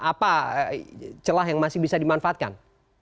apa celah yang masih bisa dimanfaatkan